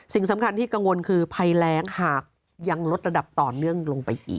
สิ่งสำคัญที่กังวลคือภัยแรงหากยังลดระดับต่อเนื่องลงไปอีก